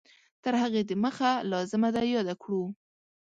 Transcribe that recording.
تر هغې د مخه لازمه ده یاده کړو